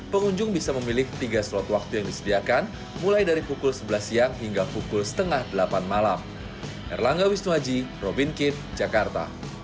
pengunjung bisa memilih tiga slot waktu yang disediakan mulai dari pukul sebelas siang hingga pukul setengah delapan malam